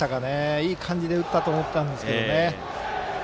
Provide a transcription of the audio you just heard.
いい感じで打ったと思ったんですが。